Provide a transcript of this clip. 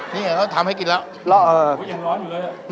นี่ก็ทำให้กินแล้วรอยังร้อนอยู่เลย